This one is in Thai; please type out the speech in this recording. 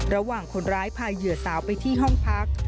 ระหว่างคนร้ายพาเหยื่อสาวไปที่ห้องพัก